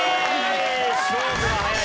勝負が早い。